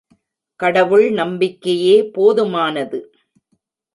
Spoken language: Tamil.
கடவுள் நம்பிக்கையே போதுமானது.